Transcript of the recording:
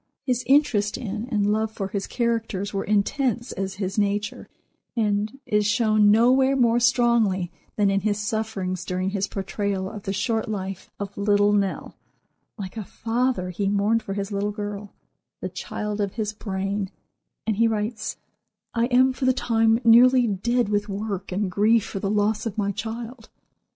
His interest in and love for his characters were intense as his nature, and is shown nowhere more strongly than in his sufferings during his portrayal of the short life of "Little Nell," like a father he mourned for his little girl—the child of his brain—and he writes: "I am, for the time, nearly dead with work and grief for the loss of my child."